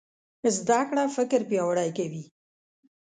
زده کړه فکر پیاوړی کوي.